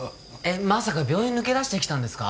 まさか病院抜け出してきたんですか？